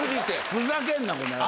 ふざけんなこの野郎。